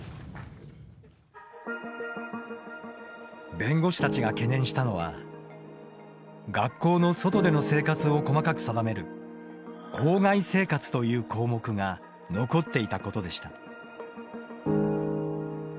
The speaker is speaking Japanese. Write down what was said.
弁護士たちが懸念したのは学校の外での生活を細かく定める「校外生活」という項目が残っていたことでした。